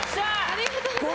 ありがとうございます。